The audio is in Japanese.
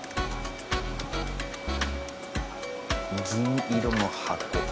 銀色の箱。